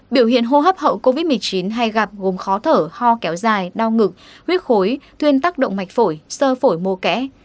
biểu hiện hô hấp hậu covid một mươi chín hay gặp gồm khó thở ho kéo dài đau ngực huyết khối thuyên tắc động mạch phổi sơ phổi mô kẽ